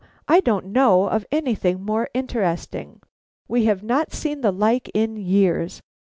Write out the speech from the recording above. I don't know of anything more interesting! We have not seen the like in years!